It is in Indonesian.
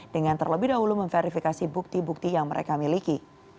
dengan terlebih dahulu memverifikasi bukti bukti yang mereka miliki